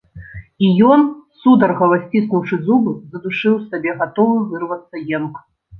І ён, сударгава сціснуўшы зубы, задушыў у сабе гатовы вырвацца енк.